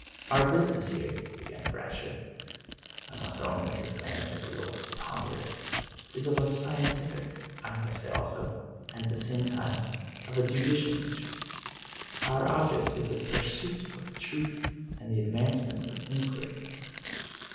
" Our business here," began Brasher — I must own that his manner is a little ponderous —" is of a scientific, I may say also, and at the same time, of a judicial nature. Our object is the Pursuit of Truth and the Advancement of Inquiry."